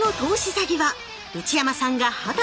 詐欺は内山さんが二十歳の時。